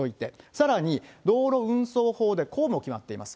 さらに、道路運送法でこうも決まっています。